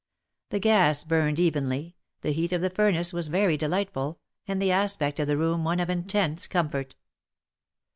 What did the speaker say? The gas burned evenly — the heat of the furnace was very delightful, and the aspect of the room one of intense comfort.